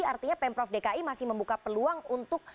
artinya pemprov dki masih membuka peluang untuk